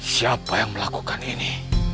siapa yang melakukan ini